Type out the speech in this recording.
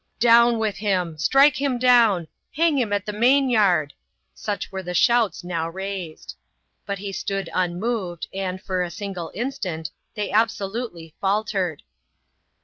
" Down with him !"" Strike him down !"" Hang him at the main yard !" such were the shouts now raised. But he stood unmoved, and, for a single instant, they absolutely fal tered.